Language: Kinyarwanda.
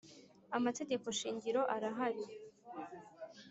amategeko shingiro arahari.